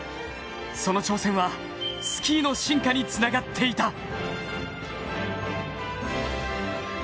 その挑戦は、スキーの進化につながっていた。